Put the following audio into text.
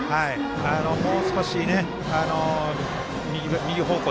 もう少し右方向